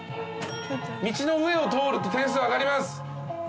道の上を通ると点数上がります。